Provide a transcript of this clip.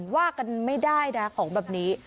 ว่ากันไม่ได้นะของแบบนี้